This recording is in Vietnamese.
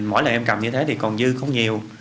mỗi lần em cầm như thế thì còn dư không nhiều